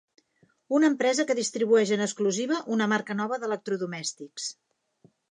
Una empresa que distribueix en exclusiva una marca nova d'electrodomèstics.